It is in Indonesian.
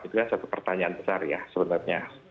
itu satu pertanyaan besar ya sebenarnya